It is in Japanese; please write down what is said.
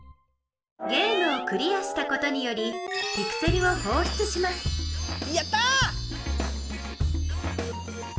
ゲームをクリアしたことによりピクセルをほうしゅつしますやった！